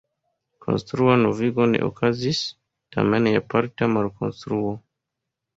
Konstrua novigo ne okazis, tamen ja parta malkonstruo.